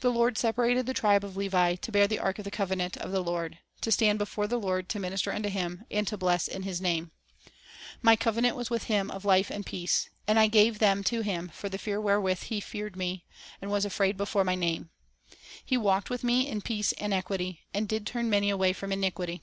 "The Lord separated the tribe of Levi, to bear the ark of the covenant of the Lord, to stand before the Lord to minister unto Him, and to bless in His name." "My covenant was with him of life and peace; and I a curse gave them to him for the fear wherewith he feared Me, Transformed . and was afraid before My name. ... He walked with Me in peace and equity, and did turn many away from iniquity."